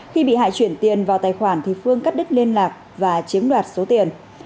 khi bị hại chuyển tiền vào tài khoản thì phương cắt đứt liên lạc và chiếm đoạt số tiền